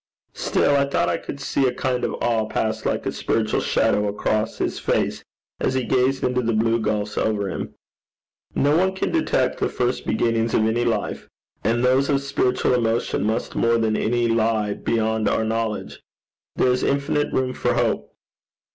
Still, I thought I could see a kind of awe pass like a spiritual shadow across his face as he gazed into the blue gulfs over him. No one can detect the first beginnings of any life, and those of spiritual emotion must more than any lie beyond our ken: there is infinite room for hope.